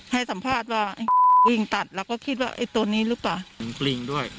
ให้สัมภาษณ์ว่าวิ่งตัดแล้วก็คิดว่าไอ้ตัวนี้หรือเปล่าปลิงด้วย